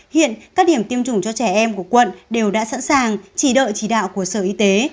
hiện các điểm tiêm chủng cho trẻ em của quận đều đã sẵn sàng chỉ đợi chỉ đạo của sở y tế